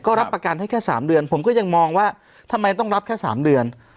ก็รับประกันให้แค่๓เดือนผมก็ยังมองว่าทำไมต้องรับแค่๓เดือน